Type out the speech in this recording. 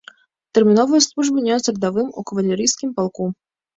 Тэрміновую службу нёс радавым у кавалерыйскім палку.